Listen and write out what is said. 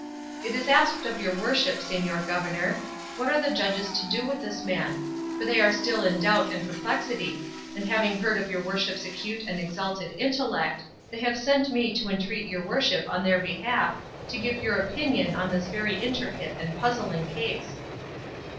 It is asked of your worship, señor governor, what are the judges to do with this man? For they are still in doubt and perplexity; and having heard of your worship's acute and exalted intellect, they have sent me to entreat your worship on their behalf to give your opinion on this very intricate and puzzling case."